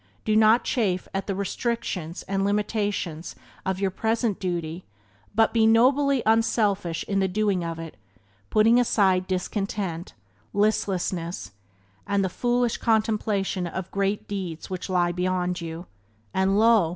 Do not chafe at the restrictions and limitations of your present duty but be nobly unselfish in the doing of it, putting aside discontent, listlessness, and the foolish contemplation of great deeds which lie beyond you — and lo!